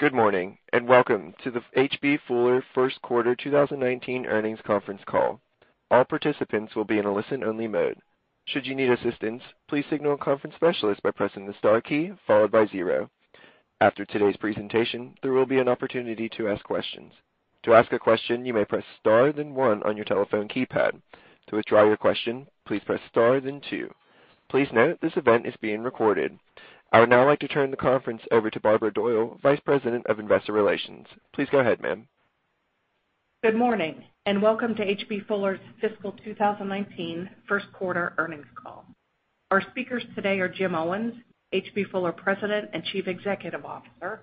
Good morning, and welcome to the H.B. Fuller first quarter 2019 earnings conference call. All participants will be in a listen-only mode. Should you need assistance, please signal a conference specialist by pressing the star key followed by zero. After today's presentation, there will be an opportunity to ask questions. To ask a question, you may press star, then one on your telephone keypad. To withdraw your question, please press star, then two. Please note this event is being recorded. I would now like to turn the conference over to Barbara Doyle, Vice President of Investor Relations. Please go ahead, ma'am. Good morning, welcome to H.B. Fuller's fiscal 2019 first quarter earnings call. Our speakers today are Jim Owens, H.B. Fuller President and Chief Executive Officer,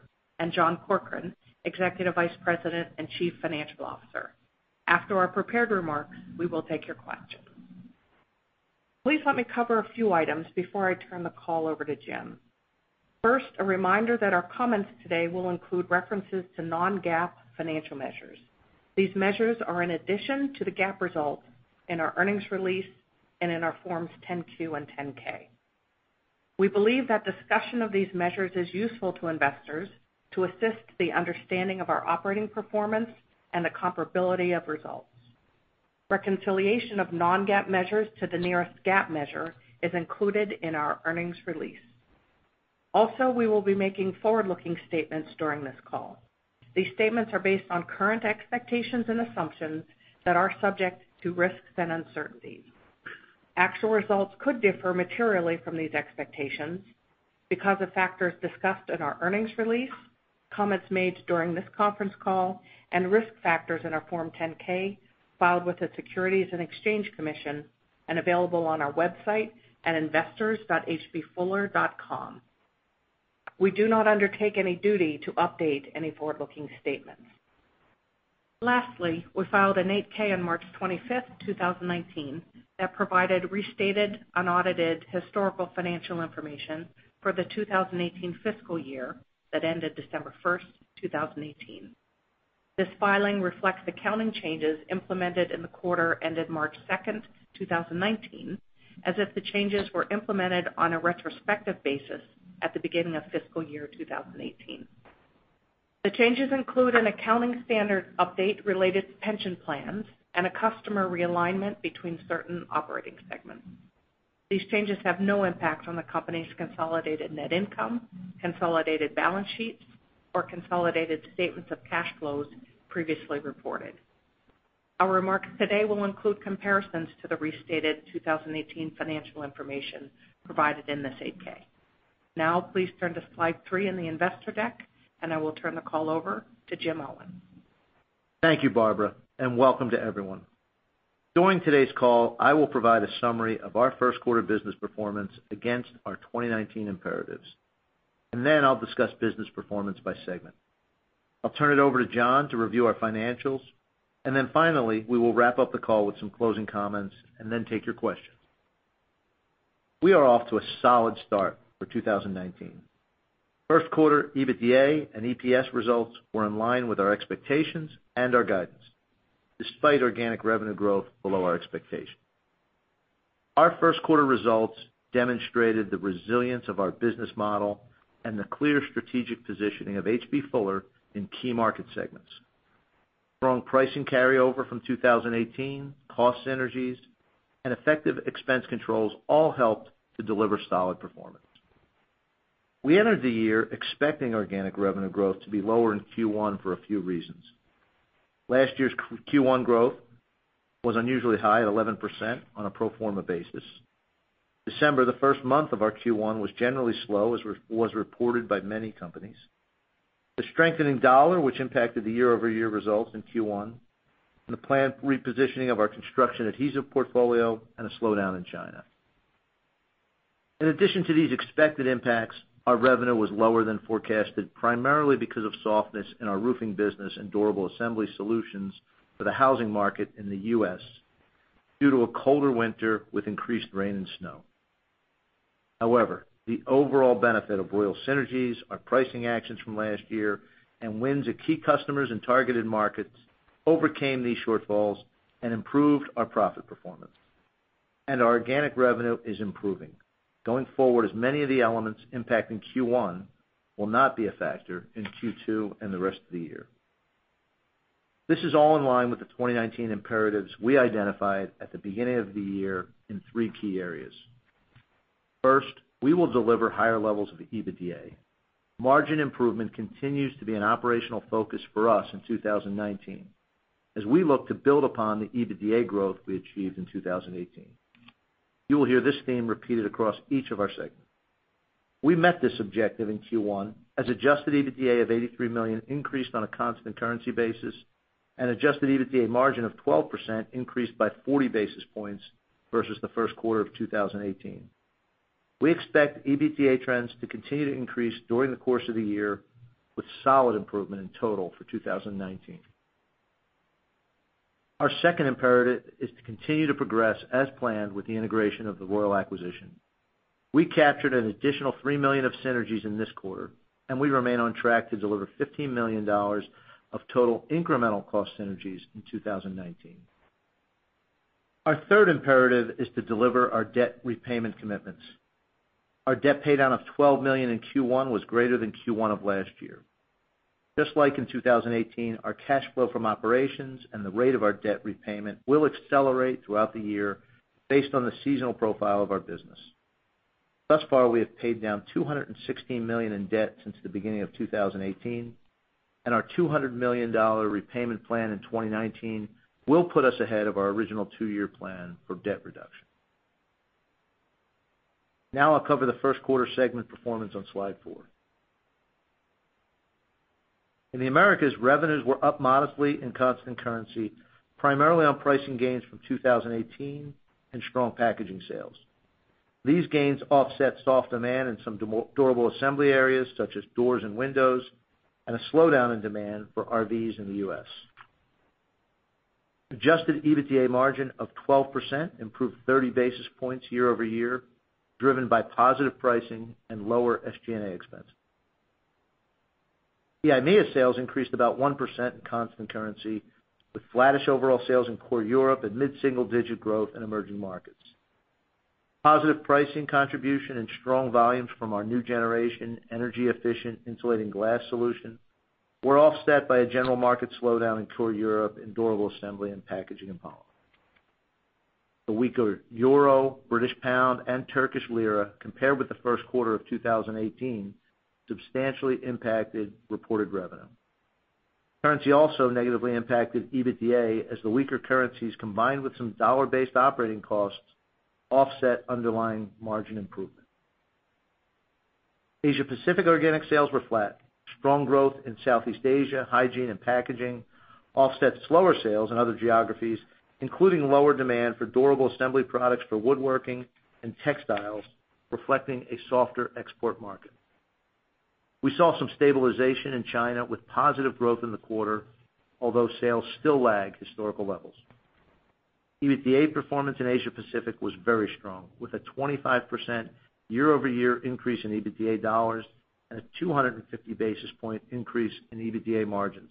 John Corkrean, Executive Vice President and Chief Financial Officer. After our prepared remarks, we will take your questions. Please let me cover a few items before I turn the call over to Jim. First, a reminder that our comments today will include references to non-GAAP financial measures. These measures are in addition to the GAAP results in our earnings release and in our forms 10-Q and 10-K. We believe that discussion of these measures is useful to investors to assist the understanding of our operating performance and the comparability of results. Reconciliation of non-GAAP measures to the nearest GAAP measure is included in our earnings release. We will be making forward-looking statements during this call. These statements are based on current expectations and assumptions that are subject to risks and uncertainties. Actual results could differ materially from these expectations because of factors discussed in our earnings release, comments made during this conference call, and risk factors in our Form 10-K filed with the Securities and Exchange Commission and available on our website at investors.hbfuller.com. We do not undertake any duty to update any forward-looking statements. We filed an 8-K on March 25th, 2019, that provided restated, unaudited historical financial information for the 2018 fiscal year that ended December 1st, 2018. This filing reflects accounting changes implemented in the quarter ended March 2nd, 2019, as if the changes were implemented on a retrospective basis at the beginning of fiscal year 2018. The changes include an accounting standard update related to pension plans and a customer realignment between certain operating segments. These changes have no impact on the company's consolidated net income, consolidated balance sheets, or consolidated statements of cash flows previously reported. Our remarks today will include comparisons to the restated 2018 financial information provided in this 8-K. Please turn to slide three in the investor deck, and I will turn the call over to Jim Owens. Thank you, Barbara, and welcome to everyone. During today's call, I will provide a summary of our first quarter business performance against our 2019 imperatives, then I'll discuss business performance by segment. I'll turn it over to John to review our financials, then finally, we will wrap up the call with some closing comments and then take your questions. We are off to a solid start for 2019. First quarter EBITDA and EPS results were in line with our expectations and our guidance, despite organic revenue growth below our expectation. Our first quarter results demonstrated the resilience of our business model and the clear strategic positioning of H.B. Fuller in key market segments. Strong pricing carryover from 2018, cost synergies, and effective expense controls all helped to deliver solid performance. We entered the year expecting organic revenue growth to be lower in Q1 for a few reasons. Last year's Q1 growth was unusually high at 11% on a pro forma basis. December, the first month of our Q1, was generally slow, as was reported by many companies. The strengthening dollar, which impacted the year-over-year results in Q1, and the planned repositioning of our construction adhesives portfolio and a slowdown in China. In addition to these expected impacts, our revenue was lower than forecasted, primarily because of softness in our roofing business and Durable Assembly Solutions for the housing market in the U.S. due to a colder winter with increased rain and snow. However, the overall benefit of Royal synergies, our pricing actions from last year, and wins at key customers and targeted markets overcame these shortfalls and improved our profit performance. Our organic revenue is improving going forward, as many of the elements impacting Q1 will not be a factor in Q2 and the rest of the year. This is all in line with the 2019 imperatives we identified at the beginning of the year in three key areas. First, we will deliver higher levels of EBITDA. Margin improvement continues to be an operational focus for us in 2019, as we look to build upon the EBITDA growth we achieved in 2018. You will hear this theme repeated across each of our segments. We met this objective in Q1, as adjusted EBITDA of $83 million increased on a constant currency basis, and adjusted EBITDA margin of 12% increased by 40 basis points versus the first quarter of 2018. We expect EBITDA trends to continue to increase during the course of the year, with solid improvement in total for 2019. Our second imperative is to continue to progress as planned with the integration of the Royal acquisition. We captured an additional $3 million of synergies in this quarter, and we remain on track to deliver $15 million of total incremental cost synergies in 2019. Our third imperative is to deliver our debt repayment commitments. Our debt paydown of $12 million in Q1 was greater than Q1 of last year. Just like in 2018, our cash flow from operations and the rate of our debt repayment will accelerate throughout the year based on the seasonal profile of our business. Thus far, we have paid down $216 million in debt since the beginning of 2018, and our $200 million repayment plan in 2019 will put us ahead of our original two-year plan for debt reduction. Now I'll cover the first quarter segment performance on slide four. In the Americas, revenues were up modestly in constant currency, primarily on pricing gains from 2018 and strong packaging sales. These gains offset soft demand in some Durable Assembly areas such as doors and windows, and a slowdown in demand for RVs in the U.S. Adjusted EBITDA margin of 12% improved 30 basis points year-over-year, driven by positive pricing and lower SG&A expense. EIMEA sales increased about 1% in constant currency, with flattish overall sales in core Europe and mid-single-digit growth in emerging markets. Positive pricing contribution and strong volumes from our new generation energy-efficient insulating glass solution were offset by a general market slowdown in core Europe in Durable Assembly and packaging and polymer. The weaker euro, British pound, and Turkish lira compared with the first quarter of 2018 substantially impacted reported revenue. Currency also negatively impacted EBITDA as the weaker currencies, combined with some dollar-based operating costs, offset underlying margin improvement. Asia Pacific organic sales were flat. Strong growth in Southeast Asia, hygiene, and packaging offset slower sales in other geographies, including lower demand for Durable Assembly products for woodworking and textiles, reflecting a softer export market. We saw some stabilization in China with positive growth in the quarter, although sales still lagged historical levels. EBITDA performance in Asia Pacific was very strong, with a 25% year-over-year increase in EBITDA dollars and a 250 basis point increase in EBITDA margins,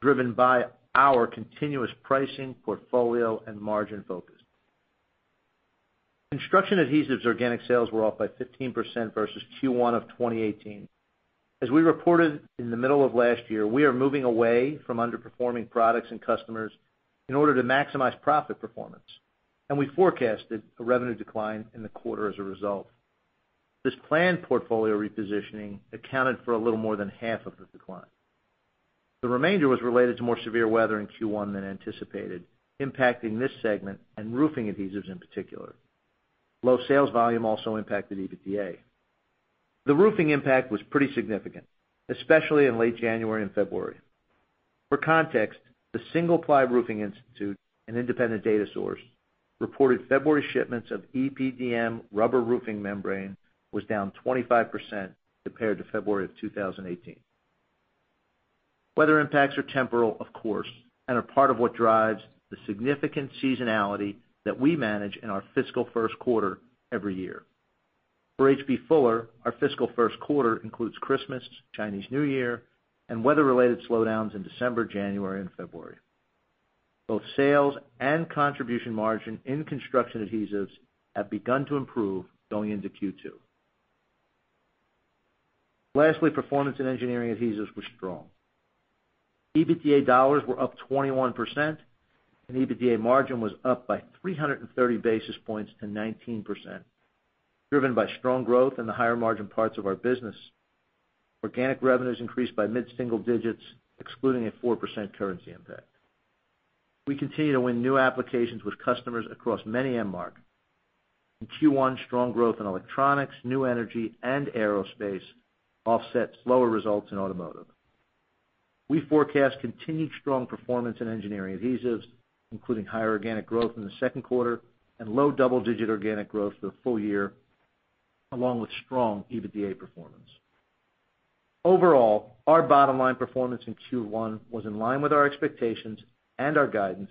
driven by our continuous pricing, portfolio, and margin focus. Construction adhesives organic sales were off by 15% versus Q1 of 2018. As we reported in the middle of last year, we are moving away from underperforming products and customers in order to maximize profit performance, and we forecasted a revenue decline in the quarter as a result. This planned portfolio repositioning accounted for a little more than half of the decline. The remainder was related to more severe weather in Q1 than anticipated, impacting this segment and roofing adhesives in particular. Low sales volume also impacted EBITDA. The roofing impact was pretty significant, especially in late January and February. For context, the Single Ply Roofing Industry, an independent data source, reported February shipments of EPDM rubber roofing membrane was down 25% compared to February of 2018. Weather impacts are temporal, of course, and are part of what drives the significant seasonality that we manage in our fiscal first quarter every year. For H.B. Fuller, our fiscal first quarter includes Christmas, Chinese New Year, and weather-related slowdowns in December, January, and February. Both sales and contribution margin in construction adhesives have begun to improve going into Q2. Lastly, performance in engineering adhesives was strong. EBITDA dollars were up 21%, and EBITDA margin was up by 330 basis points to 19%, driven by strong growth in the higher-margin parts of our business. Organic revenues increased by mid-single digits, excluding a 4% currency impact. We continue to win new applications with customers across many end markets. In Q1, strong growth in electronics, new energy, and aerospace offset slower results in automotive. We forecast continued strong performance in engineering adhesives, including higher organic growth in the second quarter and low double-digit organic growth for the full year, along with strong EBITDA performance. Overall, our bottom line performance in Q1 was in line with our expectations and our guidance,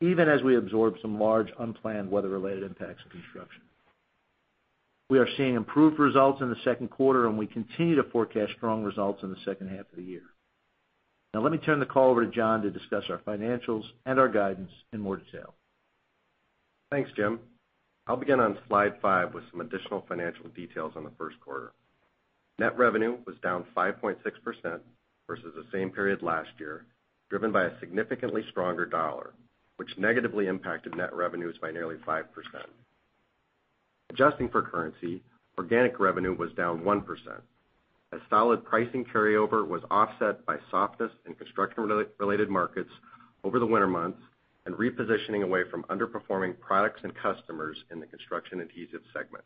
even as we absorbed some large unplanned weather-related impacts to construction. We are seeing improved results in the second quarter, and we continue to forecast strong results in the second half of the year. Let me turn the call over to John to discuss our financials and our guidance in more detail. Thanks, Jim. I'll begin on slide five with some additional financial details on the first quarter. Net revenue was down 5.6% versus the same period last year, driven by a significantly stronger dollar, which negatively impacted net revenues by nearly 5%. Adjusting for currency, organic revenue was down 1%. A solid pricing carryover was offset by softness in construction-related markets over the winter months and repositioning away from underperforming products and customers in the construction adhesives segment.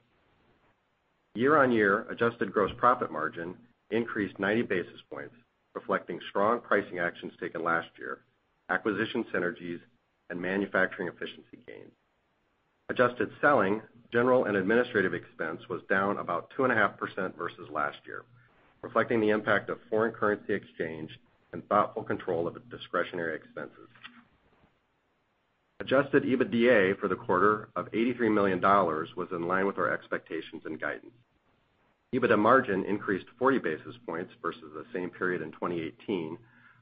Year-on-year, adjusted gross profit margin increased 90 basis points, reflecting strong pricing actions taken last year, acquisition synergies, and manufacturing efficiency gains. Adjusted selling, general, and administrative expense was down about 2.5% versus last year, reflecting the impact of foreign currency exchange and thoughtful control of its discretionary expenses. Adjusted EBITDA for the quarter of $83 million was in line with our expectations and guidance. EBITDA margin increased 40 basis points versus the same period in 2018,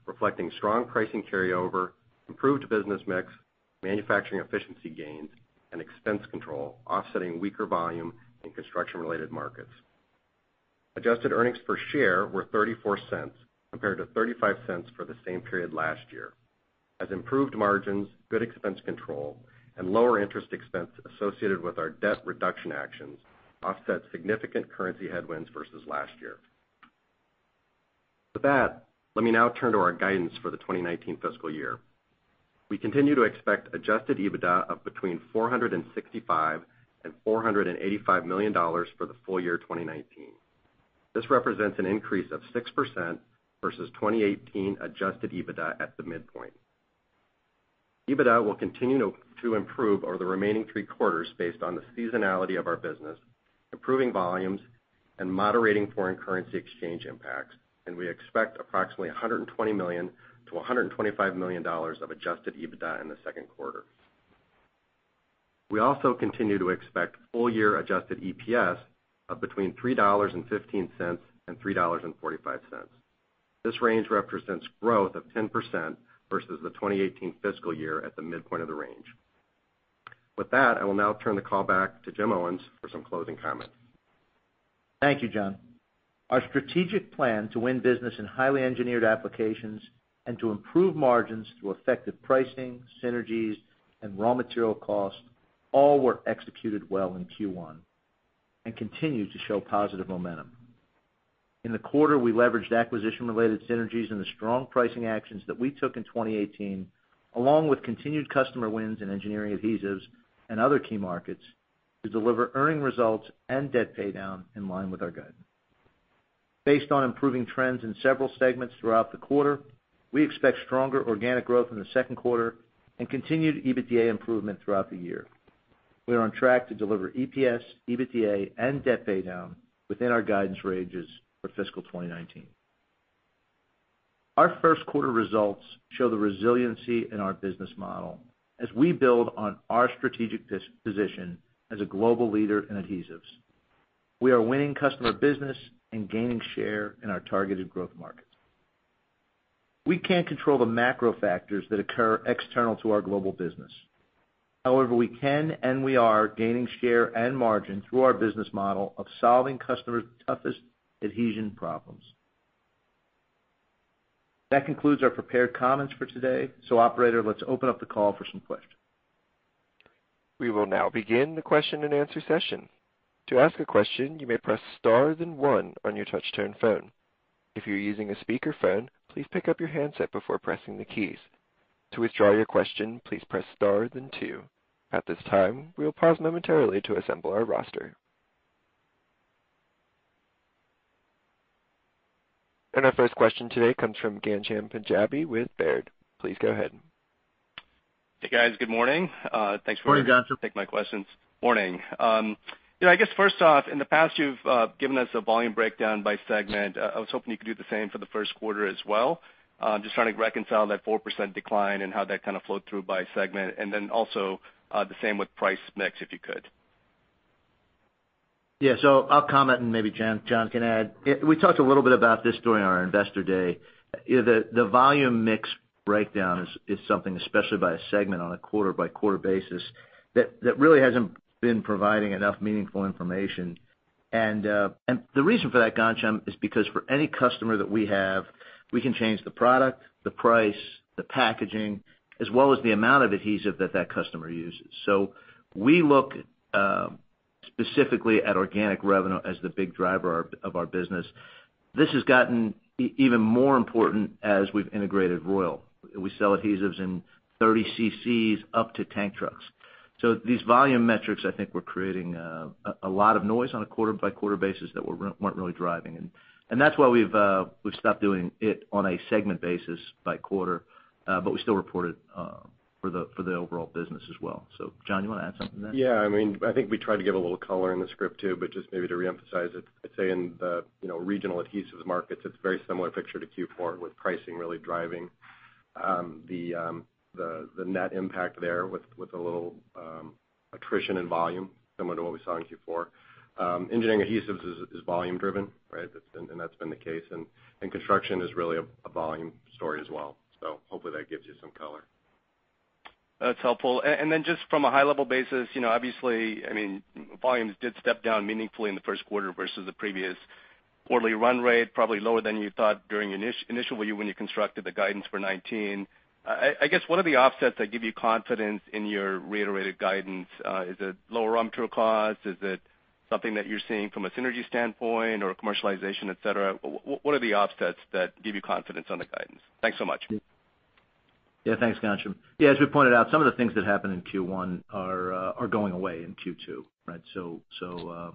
reflecting strong pricing carryover, improved business mix, manufacturing efficiency gains, and expense control, offsetting weaker volume in construction-related markets. Adjusted earnings per share were $0.34 compared to $0.35 for the same period last year, as improved margins, good expense control, and lower interest expense associated with our debt reduction actions offset significant currency headwinds versus last year. Let me now turn to our guidance for the 2019 fiscal year. We continue to expect adjusted EBITDA of between $465 million and $485 million for the full year 2019. This represents an increase of 6% versus 2018 adjusted EBITDA at the midpoint. EBITDA will continue to improve over the remaining three quarters based on the seasonality of our business, improving volumes, and moderating foreign currency exchange impacts, and we expect approximately $120 million to $125 million of adjusted EBITDA in the second quarter. We also continue to expect full year adjusted EPS of between $3.15 and $3.45. This range represents growth of 10% versus the 2018 fiscal year at the midpoint of the range. I will now turn the call back to Jim Owens for some closing comments. Thank you, John. Our strategic plan to win business in highly engineered applications and to improve margins through effective pricing, synergies, and raw material costs, all were executed well in Q1 and continue to show positive momentum. In the quarter, we leveraged acquisition related synergies and the strong pricing actions that we took in 2018, along with continued customer wins in engineering adhesives and other key markets to deliver earning results and debt pay down in line with our guidance. Based on improving trends in several segments throughout the quarter, we expect stronger organic growth in the second quarter and continued EBITDA improvement throughout the year. We are on track to deliver EPS, EBITDA, and debt pay down within our guidance ranges for fiscal 2019. Our first quarter results show the resiliency in our business model as we build on our strategic position as a global leader in adhesives. We are winning customer business and gaining share in our targeted growth markets. We can't control the macro factors that occur external to our global business. However, we can and we are gaining share and margin through our business model of solving customers' toughest adhesion problems. That concludes our prepared comments for today. Operator, let's open up the call for some questions. We will now begin the question and answer session. To ask a question, you may press star then one on your touchtone phone. If you're using a speakerphone, please pick up your handset before pressing the keys. To withdraw your question, please press star then two. At this time, we will pause momentarily to assemble our roster. Our first question today comes from Ghansham Panjabi with Baird. Please go ahead. Hey, guys. Good morning. Good morning, Ghansham. Thanks for taking my questions. Morning. I guess first off, in the past, you've given us a volume breakdown by segment. I was hoping you could do the same for the first quarter as well. Just trying to reconcile that 4% decline and how that kind of flowed through by segment, then also the same with price mix, if you could. Yeah. I'll comment, and maybe John can add. We talked a little bit about this during our investor day. The volume mix breakdown is something, especially by a segment on a quarter-by-quarter basis, that really hasn't been providing enough meaningful information, and the reason for that, Ghansham, is because for any customer that we have, we can change the product, the price, the packaging, as well as the amount of adhesive that customer uses. We look specifically at organic revenue as the big driver of our business. This has gotten even more important as we've integrated Royal. We sell adhesives in 30cc up to tank trucks. These volume metrics, I think, were creating a lot of noise on a quarter-by-quarter basis that weren't really driving. That's why we've stopped doing it on a segment basis by quarter, we still report it for the overall business as well. John, you want to add something there? I think we tried to give a little color in the script, too, but just maybe to reemphasize it, I'd say in the regional adhesives markets, it's a very similar picture to Q4 with pricing really driving the net impact there with a little attrition in volume similar to what we saw in Q4. Engineering adhesives is volume driven, right? That's been the case, and construction is really a volume story as well. Hopefully that gives you some color. That's helpful. Then just from a high level basis, obviously, volumes did step down meaningfully in the first quarter versus the previous quarterly run rate, probably lower than you thought initially when you constructed the guidance for 2019. I guess, what are the offsets that give you confidence in your reiterated guidance? Is it lower raw material costs? Is it something that you're seeing from a synergy standpoint or a commercialization, et cetera? What are the offsets that give you confidence on the guidance? Thanks so much. Thanks, Ghansham. As we pointed out, some of the things that happened in Q1 are going away in Q2, right?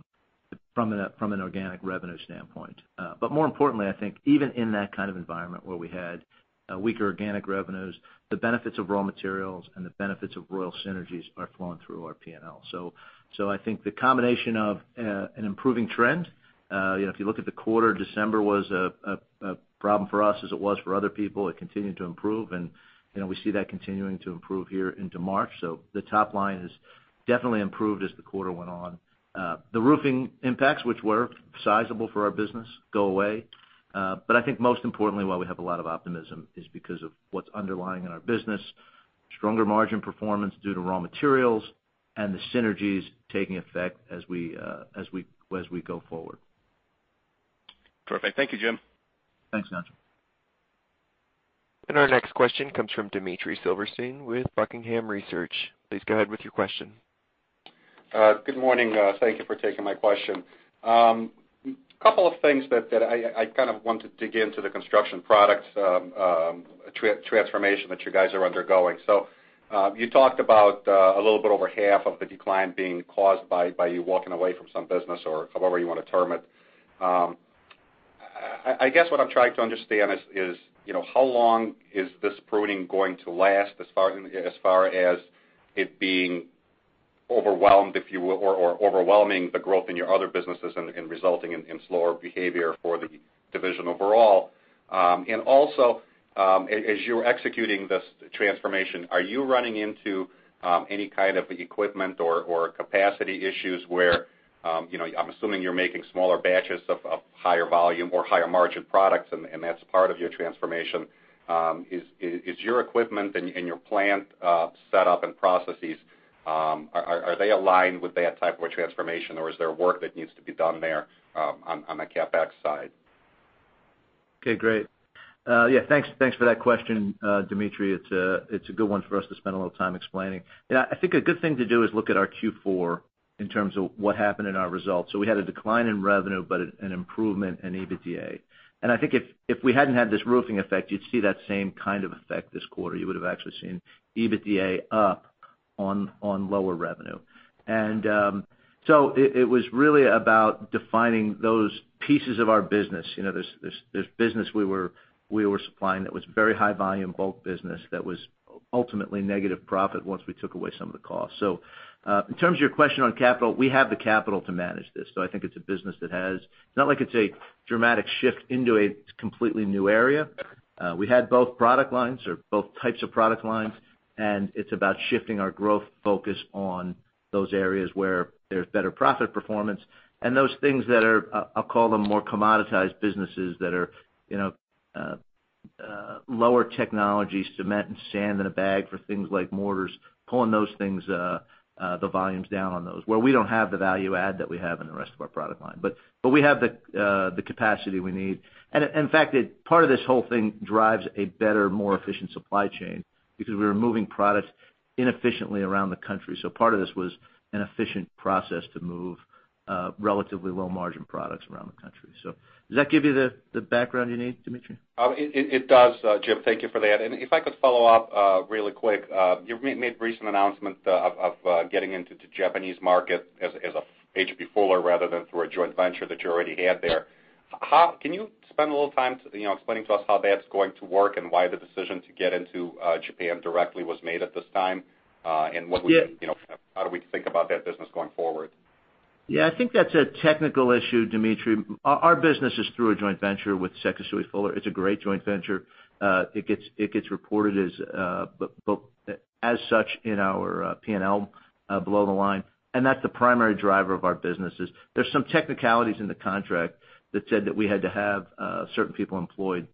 From an organic revenue standpoint. More importantly, I think even in that kind of environment where we had weaker organic revenues, the benefits of raw materials and the benefits of Royal synergies are flowing through our P&L. I think the combination of an improving trend. If you look at the quarter, December was a problem for us as it was for other people. It continued to improve, and we see that continuing to improve here into March. The top line has definitely improved as the quarter went on. The roofing impacts, which were sizable for our business, go away. I think most importantly why we have a lot of optimism is because of what's underlying in our business, stronger margin performance due to raw materials, and the synergies taking effect as we go forward. Perfect. Thank you, Jim. Thanks, Ghansham. Our next question comes from Dmitry Silversteyn with Buckingham Research. Please go ahead with your question. Good morning. Thank you for taking my question. Couple of things that I kind of want to dig into the construction products transformation that you guys are undergoing. You talked about a little bit over half of the decline being caused by you walking away from some business, or however you want to term it. I guess what I'm trying to understand is, how long is this pruning going to last, as far as it being overwhelmed, if you will, or overwhelming the growth in your other businesses and resulting in slower behavior for the division overall. Also, as you're executing this transformation, are you running into any kind of equipment or capacity issues where, I'm assuming you're making smaller batches of higher volume or higher margin products, and that's part of your transformation. Is your equipment and your plant set up and processes, are they aligned with that type of transformation or is there work that needs to be done there on the CapEx side? Okay, great. Yeah, thanks for that question, Dmitry. It's a good one for us to spend a little time explaining. I think a good thing to do is look at our Q4 in terms of what happened in our results. We had a decline in revenue, but an improvement in EBITDA. I think if we hadn't had this roofing effect, you'd see that same kind of effect this quarter. You would have actually seen EBITDA up on lower revenue. It was really about defining those pieces of our business. There's business we were supplying that was very high volume bulk business that was ultimately negative profit once we took away some of the cost. In terms of your question on capital, we have the capital to manage this. I think it's a business that has Not like it's a dramatic shift into a completely new area. We had both product lines or both types of product lines, and it's about shifting our growth focus on those areas where there's better profit performance and those things that are, I'll call them, more commoditized businesses that are lower technology, cement and sand in a bag for things like mortars, pulling those things, the volumes down on those, where we don't have the value add that we have in the rest of our product line. We have the capacity we need. In fact, part of this whole thing drives a better, more efficient supply chain because we were moving products inefficiently around the country. Part of this was an efficient process to move relatively low margin products around the country. Does that give you the background you need, Dmitry? It does, Jim, thank you for that. If I could follow up really quick. You made a recent announcement of getting into the Japanese market as H.B. Fuller rather than through a joint venture that you already had there. Can you spend a little time explaining to us how that's going to work and why the decision to get into Japan directly was made at this time? How do we think about that business going forward? I think that's a technical issue, Dmitry. Our business is through a joint venture with Sekisui Fuller. It's a great joint venture. It gets reported as such in our P&L below the line, that's the primary driver of our businesses. There's some technicalities in the contract that said that we had to have certain people employed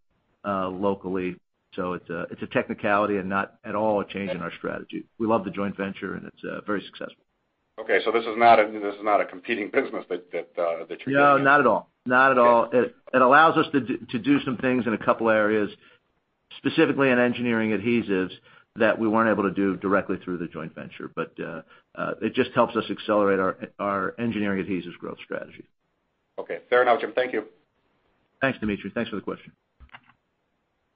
locally. It's a technicality and not at all a change in our strategy. We love the joint venture, it's very successful. This is not a competing business that you're doing. No, not at all. It allows us to do some things in a couple areas, specifically in engineering adhesives that we weren't able to do directly through the joint venture. It just helps us accelerate our engineering adhesives growth strategy. Okay, fair enough, Jim. Thank you. Thanks, Dmitry. Thanks for the question.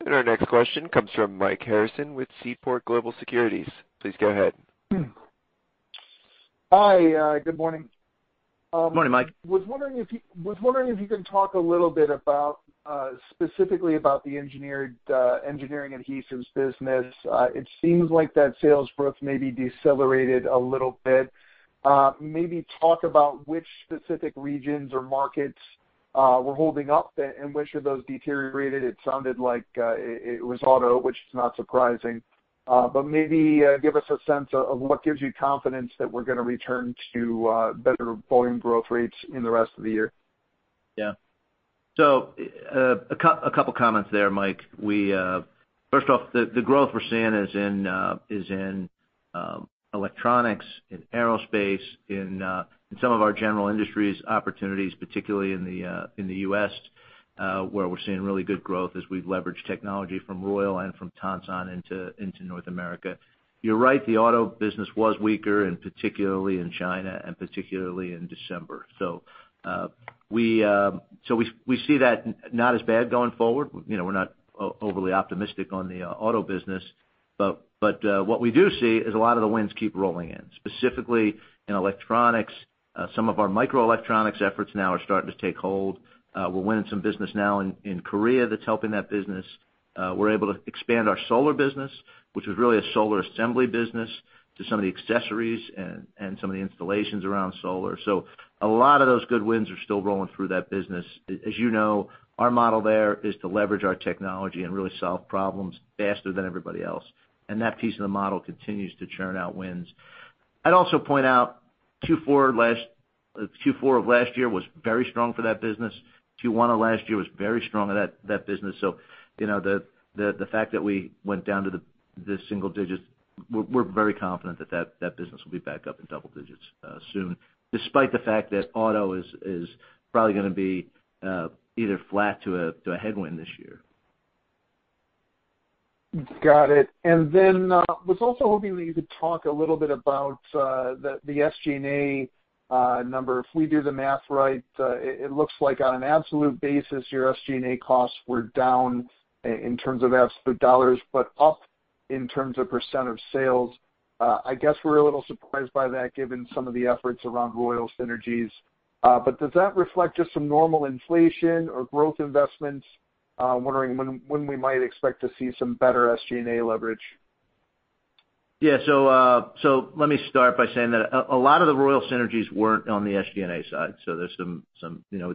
Our next question comes from Mike Harrison with Seaport Global Securities. Please go ahead. Hi, good morning. Good morning, Mike. was wondering if you can talk a little bit specifically about the engineering adhesives business. It seems like that sales growth maybe decelerated a little bit. Maybe talk about which specific regions or markets were holding up and which of those deteriorated. It sounded like it was auto, which is not surprising. Maybe give us a sense of what gives you confidence that we're going to return to better volume growth rates in the rest of the year. Yeah. A couple comments there, Mike. First off, the growth we're seeing is in electronics, in aerospace, in some of our general industries opportunities, particularly in the U.S. where we're seeing really good growth as we leverage technology from Royal and from TONSAN into North America. You're right, the auto business was weaker, and particularly in China and particularly in December. We see that not as bad going forward. We're not overly optimistic on the auto business. What we do see is a lot of the wins keep rolling in, specifically in electronics. Some of our microelectronics efforts now are starting to take hold. We're winning some business now in Korea that's helping that business. We're able to expand our solar business, which was really a solar assembly business, to some of the accessories and some of the installations around solar. A lot of those good wins are still rolling through that business. As you know, our model there is to leverage our technology and really solve problems faster than everybody else, that piece of the model continues to churn out wins. I'd also point out, Q4 of last year was very strong for that business. Q1 of last year was very strong in that business. The fact that we went down to the single digits, we're very confident that business will be back up in double digits soon, despite the fact that auto is probably going to be either flat to a headwind this year. Got it. Was also hoping that you could talk a little bit about the SG&A number. If we do the math right, it looks like on an absolute basis, your SG&A costs were down in terms of absolute dollars, but up in terms of % of sales. I guess we're a little surprised by that given some of the efforts around Royal synergies. Does that reflect just some normal inflation or growth investments? I'm wondering when we might expect to see some better SG&A leverage. Yeah. Let me start by saying that a lot of the Royal synergies weren't on the SG&A side.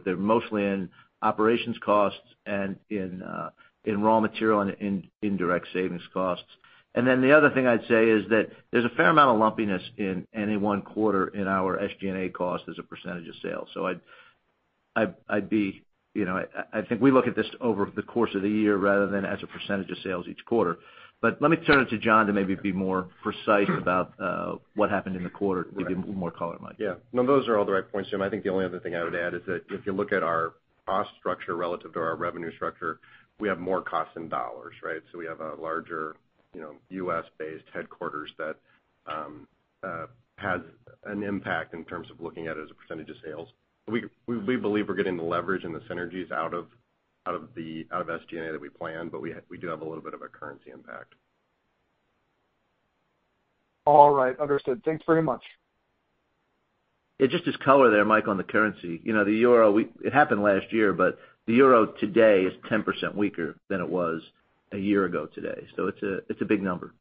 They're mostly in operations costs and in raw material and in indirect savings costs. The other thing I'd say is that there's a fair amount of lumpiness in any one quarter in our SG&A cost as a % of sales. I think we look at this over the course of the year rather than as a % of sales each quarter. Let me turn it to John to maybe be more precise about what happened in the quarter. We give more color, Mike. Yeah. No, those are all the right points, Jim. I think the only other thing I would add is that if you look at our cost structure relative to our revenue structure, we have more costs in $. We have a larger U.S.-based headquarters that has an impact in terms of looking at it as a % of sales. We believe we're getting the leverage and the synergies out of SG&A that we planned, but we do have a little bit of a currency impact. All right. Understood. Thanks very much. Yeah, just as color there, Mike, on the currency. The Euro, it happened last year, but the Euro today is 10% weaker than it was a year ago today. It's a big number.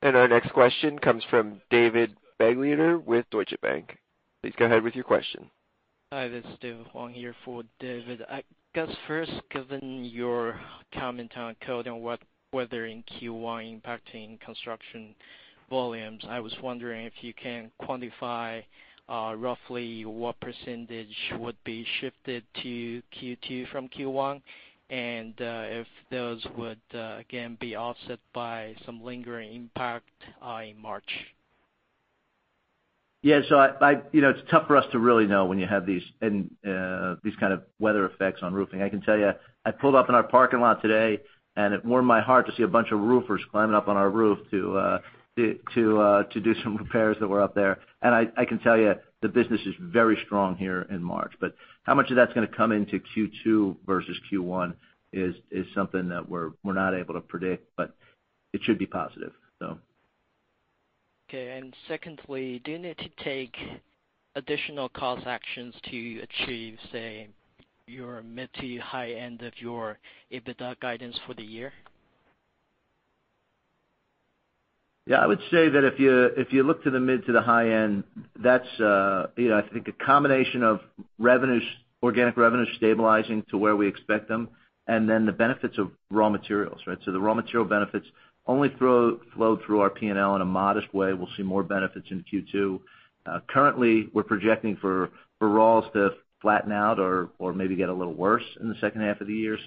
Our next question comes from David Begleiter with Deutsche Bank. Please go ahead with your question. Hi, this is Dave Huang here for David. I guess first, given your comment on cold and weather in Q1 impacting construction volumes, I was wondering if you can quantify roughly what percentage would be shifted to Q2 from Q1, and if those would again be offset by some lingering impact in March. Yeah. It's tough for us to really know when you have these kind of weather effects on roofing. I can tell you, I pulled up in our parking lot today, and it warmed my heart to see a bunch of roofers climbing up on our roof to do some repairs that were up there. I can tell you, the business is very strong here in March, but how much of that's going to come into Q2 versus Q1 is something that we're not able to predict, but it should be positive, so. Okay. Secondly, do you need to take additional cost actions to achieve, say, your mid to high end of your EBITDA guidance for the year? Yeah. I would say that if you look to the mid to the high end, that's I think a combination of organic revenues stabilizing to where we expect them and then the benefits of raw materials. The raw material benefits only flow through our P&L in a modest way. We'll see more benefits in Q2. Currently, we're projecting for raws to flatten out or maybe get a little worse in the second half of the year.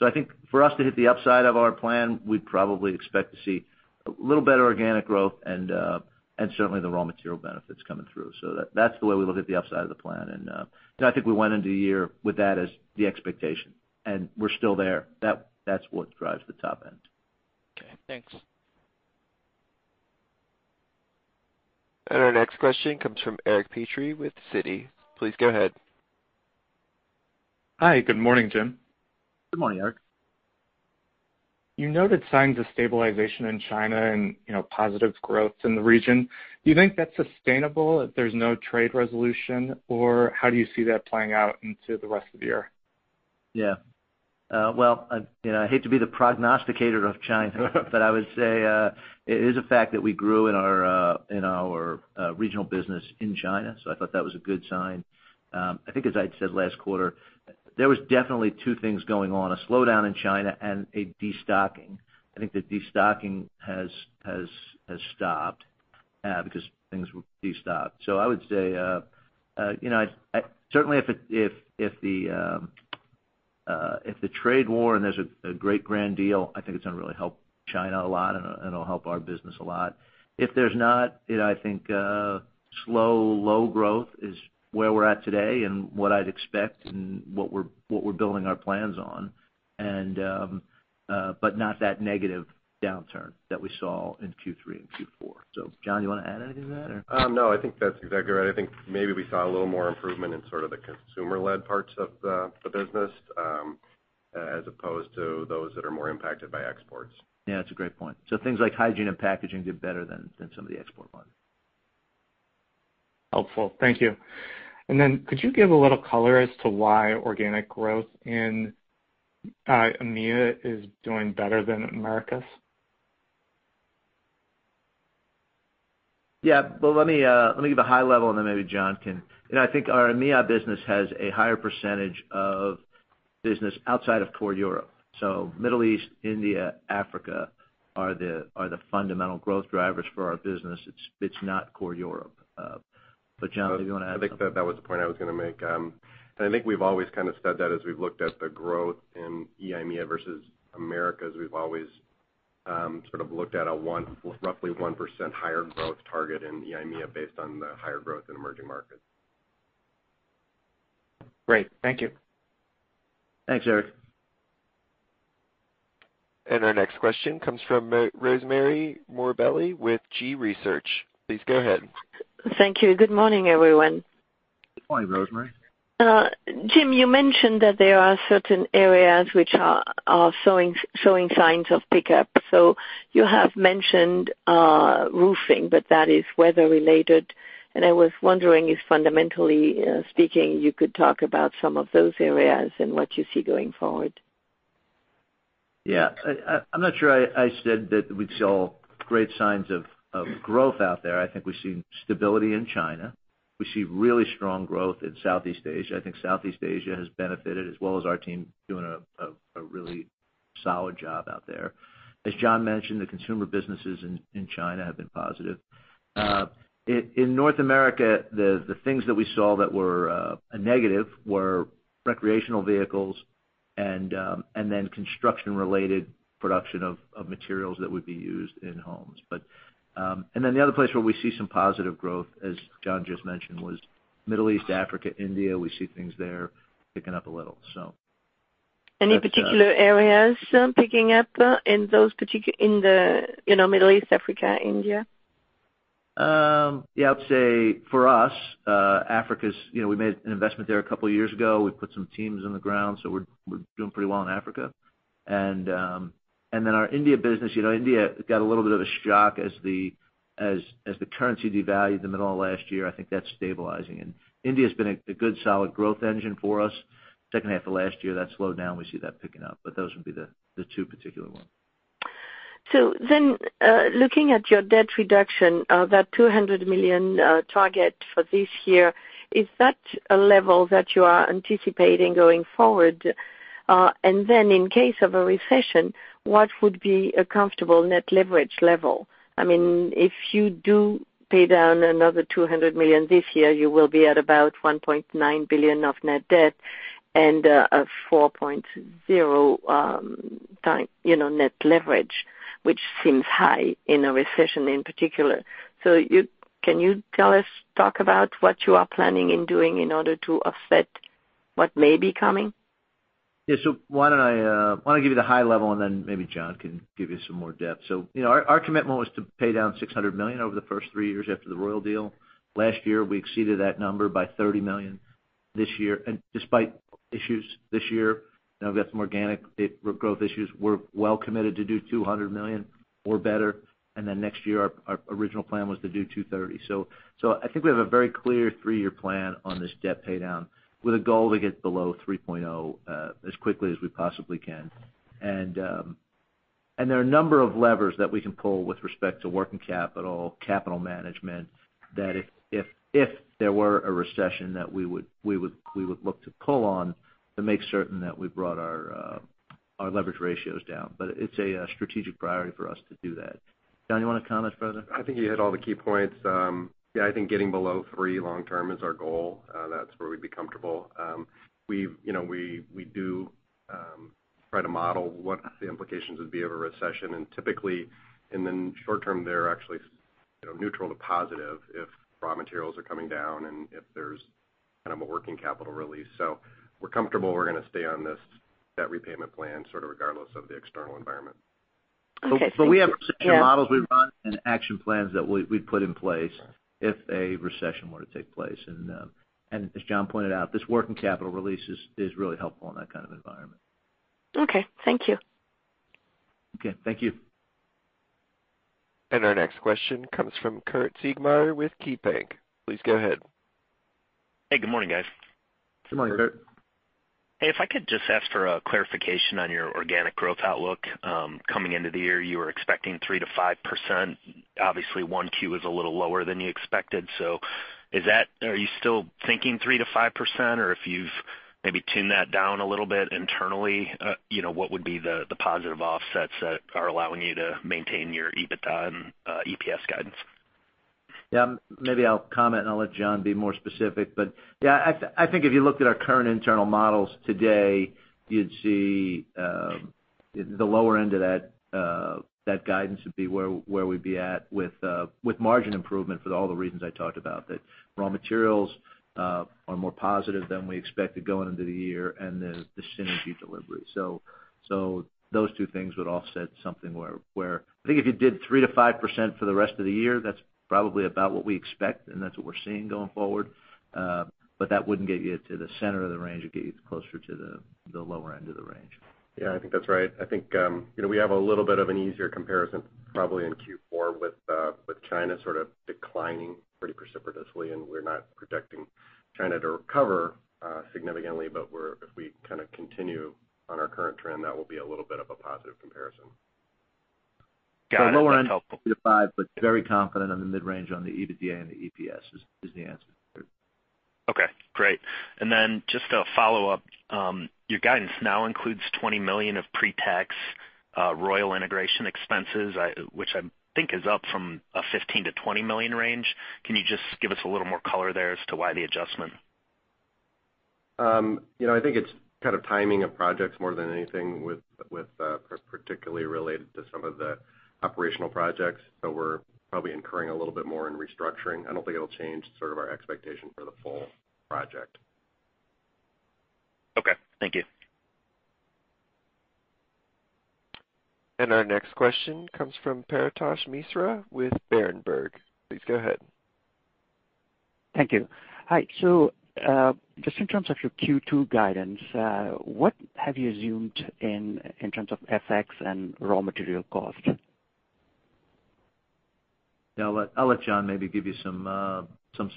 I think for us to hit the upside of our plan, we'd probably expect to see a little better organic growth and certainly the raw material benefits coming through. That's the way we look at the upside of the plan. I think we went into the year with that as the expectation. We're still there. That's what drives the top end. Okay. Thanks. Our next question comes from Eric Petrie with Citi. Please go ahead. Hi. Good morning, Jim. Good morning, Eric. You noted signs of stabilization in China and positive growth in the region. Do you think that's sustainable if there's no trade resolution, or how do you see that playing out into the rest of the year? Yeah. Well, I hate to be the prognosticator of China, but I would say it is a fact that we grew in our regional business in China, so I thought that was a good sign. I think as I had said last quarter, there was definitely two things going on, a slowdown in China and a destocking. I think the destocking has stopped because things were destocked. I would say, certainly if the trade war and there's a great grand deal, I think it's going to really help China a lot and it'll help our business a lot. If there's not, I think slow, low growth is where we're at today and what I'd expect and what we're building our plans on. Not that negative downturn that we saw in Q3 and Q4. John, you want to add anything to that or? No, I think that's exactly right. I think maybe we saw a little more improvement in sort of the consumer-led parts of the business as opposed to those that are more impacted by exports. Yeah, that's a great point. Things like hygiene and packaging did better than some of the export ones. Helpful. Thank you. Could you give a little color as to why organic growth in EMEA is doing better than Americas? Yeah. Well, let me give a high level. I think our EMEA business has a higher percentage of business outside of core Europe. Middle East, India, Africa are the fundamental growth drivers for our business. It's not core Europe. John, did you want to add something? I think that was the point I was going to make. I think we've always kind of said that as we've looked at the growth in EIMEA versus Americas, we've always sort of looked at a roughly 1% higher growth target in EIMEA based on the higher growth in emerging markets. Great. Thank you. Thanks, Eric. Our next question comes from Rosemarie Morbelli with G.research. Please go ahead. Thank you. Good morning, everyone. Good morning, Rosemarie. Jim, you mentioned that there are certain areas which are showing signs of pickup. You have mentioned roofing, but that is weather related. I was wondering if, fundamentally speaking, you could talk about some of those areas and what you see going forward. I'm not sure I said that we saw great signs of growth out there. I think we've seen stability in China. We see really strong growth in Southeast Asia. I think Southeast Asia has benefited as well as our team doing a really solid job out there. As John mentioned, the consumer businesses in China have been positive. In North America, the things that we saw that were a negative were recreational vehicles and then construction-related production of materials that would be used in homes. The other place where we see some positive growth, as John just mentioned, was Middle East, Africa, India. We see things there picking up a little. Any particular areas picking up in the Middle East, Africa, India? Yeah. I would say for us, Africa, we made an investment there a couple of years ago. We put some teams on the ground, so we're doing pretty well in Africa. Our India business, India got a little bit of a shock as the currency devalued in the middle of last year. I think that's stabilizing. India's been a good, solid growth engine for us. Second half of last year, that slowed down. We see that picking up. Those would be the two particular ones. Looking at your debt reduction, that $200 million target for this year, is that a level that you are anticipating going forward? In case of a recession, what would be a comfortable net leverage level? If you do pay down another $200 million this year, you will be at about $1.9 billion of net debt and a 4.0 net leverage, which seems high in a recession in particular. Can you talk about what you are planning and doing in order to offset what may be coming? Yeah. Why don't I give you the high level, and then maybe John can give you some more depth. Our commitment was to pay down $600 million over the first three years after the Royal deal. Last year, we exceeded that number by $30 million. Despite issues this year, we've got some organic growth issues. We're well committed to do $200 million or better, next year, our original plan was to do $230. I think we have a very clear three-year plan on this debt paydown with a goal to get below 3.0 as quickly as we possibly can. There are a number of levers that we can pull with respect to working capital management, that if there were a recession that we would look to pull on to make certain that we brought our leverage ratios down. It's a strategic priority for us to do that. John, you want to comment further? I think you hit all the key points. Yeah, I think getting below three long term is our goal. That's where we'd be comfortable. We do try to model what the implications would be of a recession, and typically in the short term, they're actually neutral to positive if raw materials are coming down and if there's kind of a working capital release. We're comfortable we're going to stay on this debt repayment plan sort of regardless of the external environment. Okay. Thank you. We have models we've run and action plans that we've put in place if a recession were to take place. As John pointed out, this working capital release is really helpful in that kind of environment. Okay. Thank you. Okay. Thank you. Our next question comes from Curt Siegmeyer with KeyBanc. Please go ahead. Hey, good morning, guys. Good morning, Curt. Hey, if I could just ask for a clarification on your organic growth outlook. Coming into the year, you were expecting 3%-5%. Obviously, 1Q is a little lower than you expected. Are you still thinking 3%-5%? Or if you've maybe tuned that down a little bit internally, what would be the positive offsets that are allowing you to maintain your EBITDA and EPS guidance? Yeah. Maybe I'll comment, I'll let John be more specific. But yeah, I think if you looked at our current internal models today, you'd see the lower end of that guidance would be where we'd be at with margin improvement for all the reasons I talked about, that raw materials are more positive than we expected going into the year and the synergy delivery. Those two things would offset something where I think if you did 3%-5% for the rest of the year, that's probably about what we expect, and that's what we're seeing going forward. That wouldn't get you to the center of the range. It'd get you closer to the lower end of the range. Yeah, I think that's right. I think we have a little bit of an easier comparison probably in Q4 with China sort of declining pretty precipitously, we're not projecting China to recover significantly. But if we kind of continue on our current trend, that will be a little bit of a positive comparison. Got it. That's helpful. Lower end 3 to 5, but very confident on the mid-range on the EBITDA and the EPS is the answer. Okay, great. Just a follow-up. Your guidance now includes $20 million of pre-tax Royal integration expenses, which I think is up from a $15 million to $20 million range. Can you just give us a little more color there as to why the adjustment? I think it's kind of timing of projects more than anything with particularly related to some of the operational projects. We're probably incurring a little bit more in restructuring. I don't think it'll change sort of our expectation for the full project. Okay. Thank you. Our next question comes from Paretosh Misra with Berenberg. Please go ahead. Thank you. Hi. Just in terms of your Q2 guidance, what have you assumed in terms of FX and raw material cost? I'll let John maybe give you some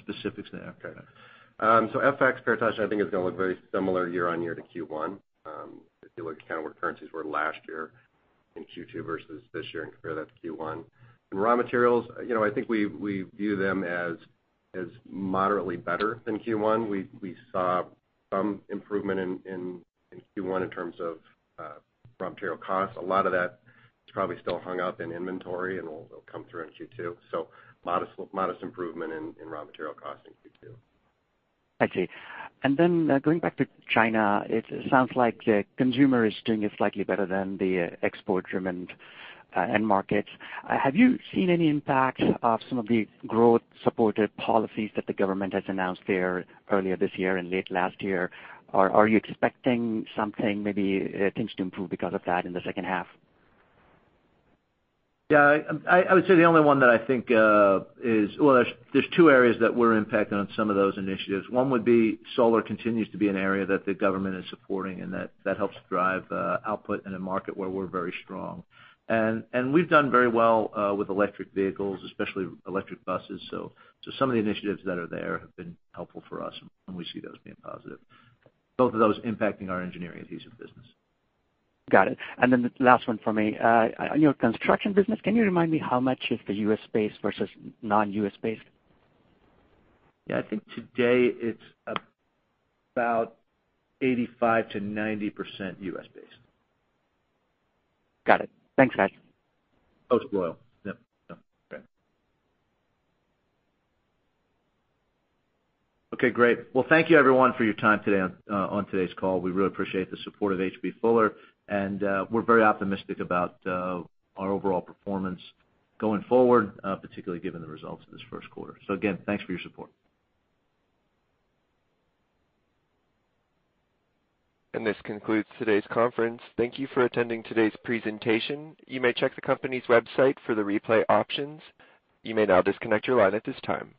specifics there. FX, Paretosh, I think is going to look very similar year-on-year to Q1. If you look at kind of where currencies were last year in Q2 versus this year and compare that to Q1. Raw materials, I think we view them as moderately better than Q1. We saw some improvement in Q1 in terms of raw material costs. A lot of that is probably still hung up in inventory and will come through in Q2. Modest improvement in raw material costs in Q2. I see. Going back to China, it sounds like the consumer is doing slightly better than the export-driven end markets. Have you seen any impact of some of the growth-supported policies that the government has announced there earlier this year and late last year? Are you expecting something, maybe things to improve because of that in the second half? Yeah. I would say the only one that I think Well, there's two areas that we're impacted on some of those initiatives. One would be solar continues to be an area that the government is supporting, and that helps drive output in a market where we're very strong. We've done very well with electric vehicles, especially electric buses. Some of the initiatives that are there have been helpful for us, and we see those being positive. Both of those impacting our Engineering Adhesives business. Got it. The last one for me. On your Construction Adhesives business, can you remind me how much is the U.S.-based versus non-U.S.-based? Yeah, I think today it's about 85%-90% U.S.-based. Got it. Thanks, guys. Post Royal. Yep. Okay. Okay, great. Well, thank you everyone for your time today on today's call. We really appreciate the support of H.B. Fuller, and we're very optimistic about our overall performance going forward, particularly given the results of this first quarter. Again, thanks for your support. This concludes today's conference. Thank you for attending today's presentation. You may check the company's website for the replay options. You may now disconnect your line at this time.